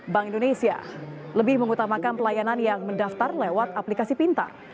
bank indonesia lebih mengutamakan pelayanan yang mendaftar lewat aplikasi pintar